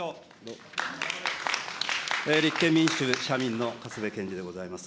立憲民主・社民の勝部賢志でございます。